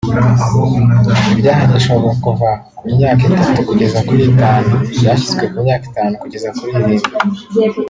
ibyahanishwaga kuva ku myaka itatu kugeza kuri itanu byashyizwe ku myaka itanu kugeza kuri irindwi